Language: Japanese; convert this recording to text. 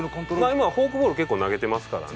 今はフォークボール結構投げてますからね。